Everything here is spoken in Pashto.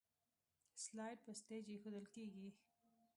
سلایډ په سټیج ایښودل کیږي.